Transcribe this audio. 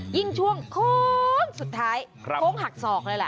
ยิ่งช่วงโค้งสุดท้ายโค้งหักศอกเลยล่ะ